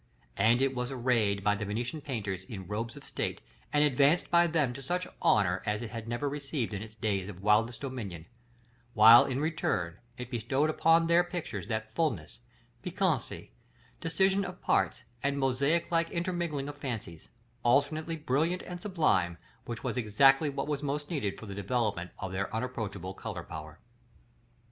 And it was arrayed by the Venetian painters in robes of state, and advanced by them to such honor as it had never received in its days of widest dominion; while, in return, it bestowed upon their pictures that fulness, piquancy, decision of parts, and mosaic like intermingling of fancies, alternately brilliant and sublime, which were exactly what was most needed for the developement of their unapproachable color power.